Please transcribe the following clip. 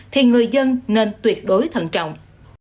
thì người dân nên tuyệt đối thận trọng